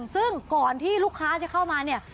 ซึ่งก่อนที่ลูกค้าจะเข้ามาเนี่ย